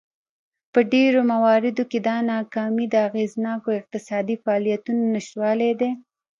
په ډېرو مواردو کې دا ناکامي د اغېزناکو اقتصادي فعالیتونو نشتوالی دی.